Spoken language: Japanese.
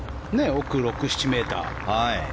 奥６７ｍ。